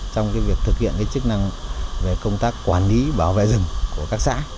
trong cái việc thực hiện cái chức năng về công tác quản lý bảo vệ rừng của các xã